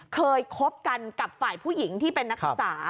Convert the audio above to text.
คบกันกับฝ่ายผู้หญิงที่เป็นนักศึกษา